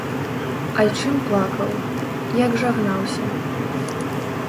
Айчым плакаў, як жагнаўся.